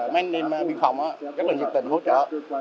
mấy anh em biên phòng rất là nhiệt tình hỗ trợ